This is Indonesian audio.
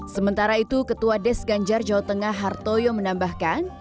sementara itu ketua des ganjar jawa tengah hartoyo menambahkan